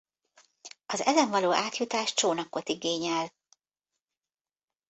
Az ezen való átjutás csónakot igényel.